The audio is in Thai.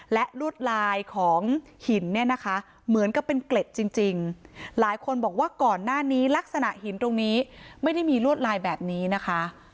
และลวดลายของหินเนี่ยนะคะเหมือนกับเป็นเกล็ดจริงหลายคนบอกว่าก่อนหน้านี้ลักษณะหินตรงนี้ไม่ได้มีลวดลายแบบนี้นะคะ